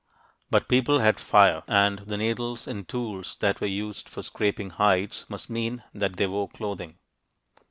But people had fire, and the needles and tools that were used for scraping hides must mean that they wore clothing.